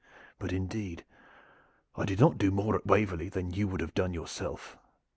But indeed I did not do more at Waverley than you would have done yourself.